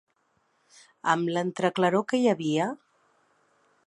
Amb l'entreclaror que hi havia